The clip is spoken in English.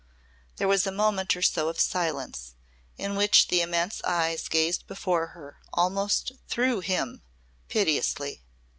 There was a moment or so of silence in which the immense eyes gazed before her almost through him piteously.